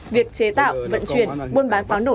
việc chế tạo vận chuyển buôn bán pháo nổ